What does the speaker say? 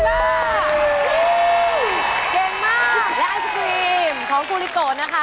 และไอศกรีมของกูลิโกะนะคะ